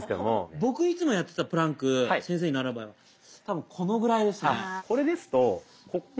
僕いつもやってたプランク先生に習う前は多分このぐらいですね。